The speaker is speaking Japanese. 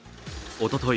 おととい